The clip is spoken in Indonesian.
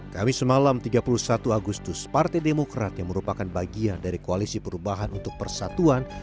kamis malam tiga puluh satu agustus partai demokrat yang merupakan bagian dari koalisi perubahan untuk persatuan